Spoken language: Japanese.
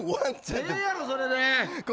ええやろ、それで。